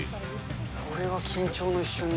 これは緊張の一瞬だな。